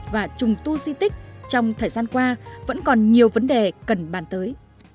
và trùng tu di tích trong thời gian qua vẫn còn nhiều vấn đề cần bàn tới